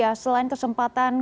iya selain kesempatan